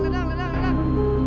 ledang ledang ledang